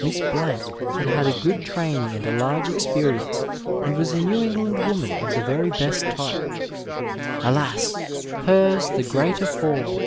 Miss Blank had had a good training and a large experience, and was a New England woman of the very best type. Alas ! hers the greater fall